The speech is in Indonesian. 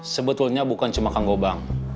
sebetulnya bukan cuma kang gobang